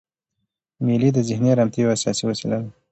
مېلې د ذهني ارامتیا یوه اساسي وسیله ده.